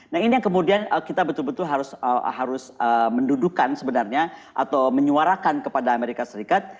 nah ini yang kemudian kita betul betul harus mendudukan sebenarnya atau menyuarakan kepada amerika serikat